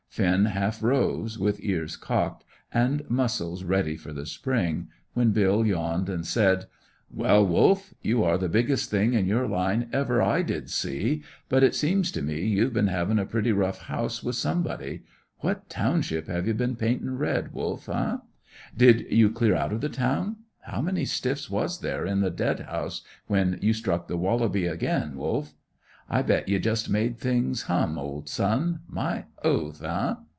Finn half rose, with ears cocked, and muscles ready for the spring, when Bill yawned and said "Well, Wolf, you are the biggest thing in your line ever I did see. But it seems to me you've been havin' a pretty rough house with somebody. What township have you been paintin' red, Wolf, hey? Did ye clear out the town? How many stiffs was there in the dead house when you struck the wallaby again, Wolf? I bet you jest made things hum, old son my oath hey!"